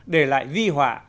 để lại di họa